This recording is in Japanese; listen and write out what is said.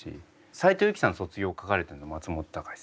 斉藤由貴さんの「卒業」を書かれたの松本隆さん。